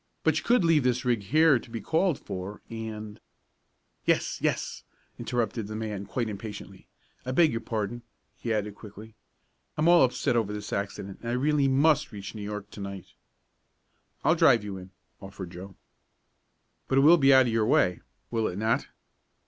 But you could leave this rig here to be called for, and " "Yes yes!" interrupted the man, quite impatiently. "I beg your pardon," he added quickly. "I'm all upset over this accident, and I really must reach New York to night." "I'll drive you in!" offered Joe. "But it will be out of your way, will it not?"